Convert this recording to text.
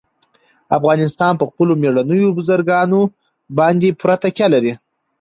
افغانستان په خپلو مېړنیو بزګانو باندې پوره تکیه لري.